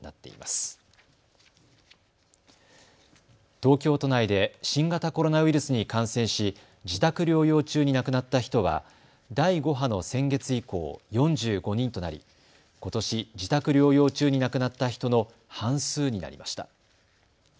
東京都内で新型コロナウイルスに感染し自宅療養中に亡くなった人は第５波の先月以降、４５人となりことし自宅療養中に亡くなった人の半数になりました。